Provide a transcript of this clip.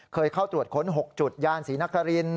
เคยเข้าตรวจค้น๖จุดยานศรีนคริน